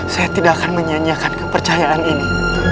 saya tidak akan menyanyikan kepercayaan ini